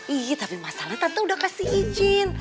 iya tapi masalahnya tante udah kasih izin